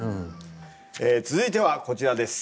続いてはこちらです。